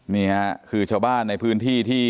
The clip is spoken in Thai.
นี่ค่ะคือชาวบ้านในพื้นที่ที่